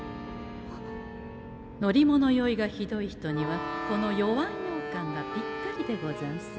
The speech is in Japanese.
乗り物酔いがひどい人にはこの「酔わんようかん」がぴったりでござんす。